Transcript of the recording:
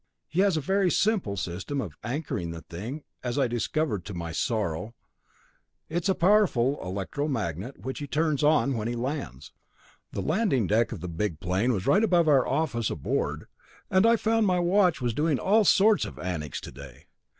He has a very simple system of anchoring the thing, as I discovered to my sorrow. It's a powerful electro magnet which he turns on when he lands. The landing deck of the big plane was right above our office aboard, and I found my watch was doing all sorts of antics today.